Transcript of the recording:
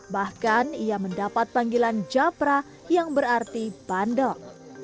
bahkan ia mendapat panggilan japra yang berarti bandel